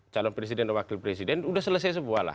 calon presiden dan wakil presiden sudah selesai sebuah lah